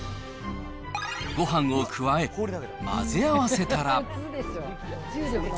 ごはんを加え、混ぜ合わせたら。